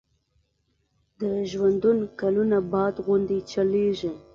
د ژوندون کلونه باد غوندي چلیږي